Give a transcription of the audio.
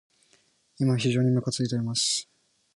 今、非常にむかついています。